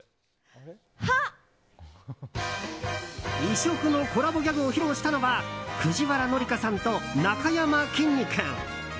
異色のコラボギャグを披露したのは藤原紀香さんとなかやまきんに君。